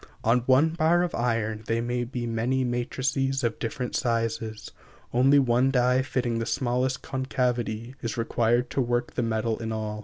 On one bar of iron there may be many matrices of different sizes, only one die fitting the smallest concavity, is required to work the metal in all.